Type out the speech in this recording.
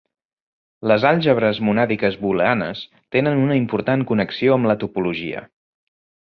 Les àlgebres monàdiques booleanes tenen una important connexió amb la topologia.